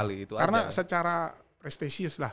karena secara prestisius lah